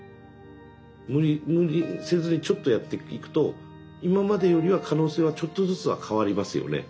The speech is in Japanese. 無理無理せずにちょっとやっていくと今までよりは可能性はちょっとずつは変わりますよね。